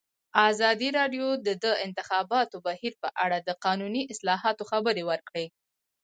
ازادي راډیو د د انتخاباتو بهیر په اړه د قانوني اصلاحاتو خبر ورکړی.